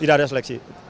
tidak ada seleksi